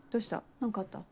何かあった？